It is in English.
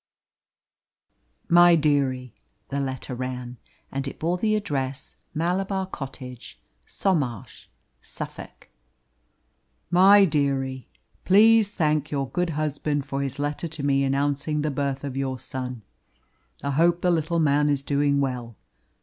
"My dearie," the letter ran; and it bore the address Malabar Cottage, Somarsh, Suffolk. "MY DEARIE, Please thank your good husband for his letter to me announcing the birth of your son. I hope the little man is doing well.